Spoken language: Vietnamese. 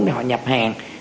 để họ nhập hàng